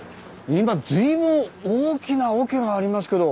今随分大きな桶がありますけど。